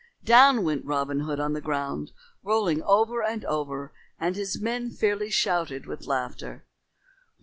Down went Robin Hood on the ground rolling over and over, and his men fairly shouted with laughter.